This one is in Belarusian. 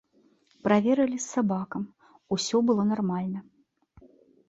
Праверылі з сабакам, усё было нармальна.